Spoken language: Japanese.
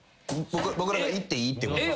僕らが行っていいってことですか？